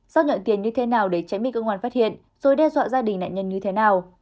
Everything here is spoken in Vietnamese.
giao nhận tiền như thế nào để tránh bị cơ quan phát hiện rồi đe dọa gia đình nạn nhân như thế nào